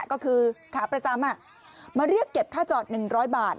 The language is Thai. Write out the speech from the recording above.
ก็คือขาประจำมาเรียกเก็บค่าจอด๑๐๐บาท